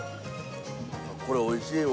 これおいしいわ。